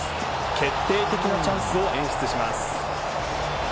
決定的なチャンスを演出します。